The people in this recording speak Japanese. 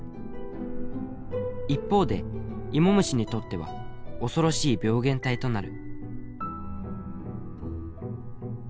一方でイモムシにとっては恐ろしい病原体となる」。